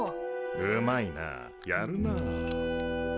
うまいなやるなあ。